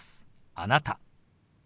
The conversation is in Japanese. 「あなた」。